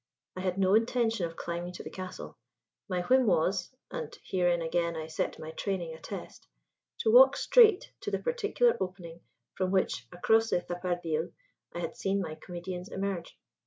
I had no intention of climbing to the castle: my whim was and herein again I set my training a test to walk straight to the particular opening from which, across the Zapardiel, I had seen my comedians emerge.